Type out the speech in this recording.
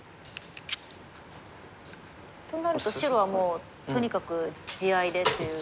となると白はもうとにかく地合いでっていう。